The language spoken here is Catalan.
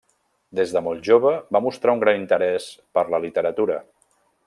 Des de molt jove, va mostrar un gran interès per la literatura.